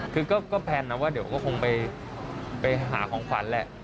คือก็แพลนนะว่าเดี๋ยวก็คงไปหาของขวัญแหละ